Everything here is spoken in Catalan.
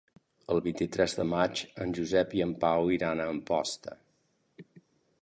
El vint-i-tres de maig en Josep i en Pau iran a Amposta.